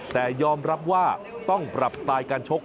แต่ยอมรับว่าต้องปรับสไตล์การชก